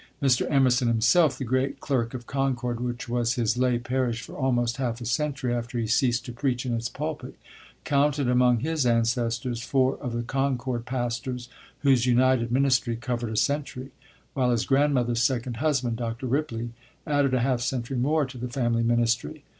Mr. Emerson himself, the great clerk of Concord, which was his lay parish for almost half a century after he ceased to preach in its pulpit, counted among his ancestors four of the Concord pastors, whose united ministry covered a century; while his grandmother's second husband, Dr. Ripley, added a half century more to the family ministry.